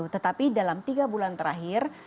tetapi dalam tiga bulan terakhir